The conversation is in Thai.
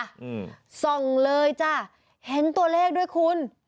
อืมส่องเลยจ้ะเห็นตัวเลขด้วยคุณ